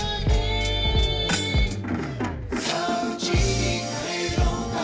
「さあうちに帰ろうか」